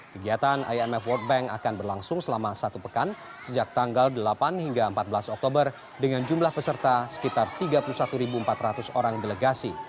kegiatan imf world bank akan berlangsung selama satu pekan sejak tanggal delapan hingga empat belas oktober dengan jumlah peserta sekitar tiga puluh satu empat ratus orang delegasi